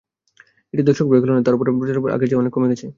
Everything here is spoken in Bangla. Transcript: এটি দর্শকপ্রিয় খেলা নয়, তার ওপর প্রচার-প্রচারণা আগের চেয়ে অনেক কমে গেছে।